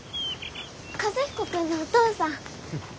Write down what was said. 和彦君のお父さん。